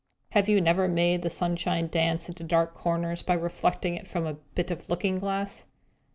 Have you never made the sunshine dance into dark corners, by reflecting it from a bit of looking glass?